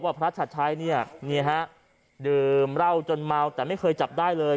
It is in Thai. พระชัดชัยเนี่ยฮะดื่มเหล้าจนเมาแต่ไม่เคยจับได้เลย